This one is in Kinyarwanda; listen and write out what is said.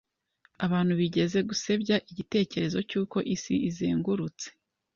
Abantu bigeze gusebya igitekerezo cyuko isi izengurutse.